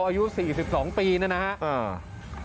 อายุ๔๒ปีนะครับ